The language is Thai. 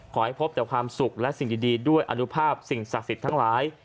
ขอให้พบแต่ความสุขและสิ่งดีด้วยอนุภาพสิ่งศักดิ์สิทธิ์ทั้งหลาย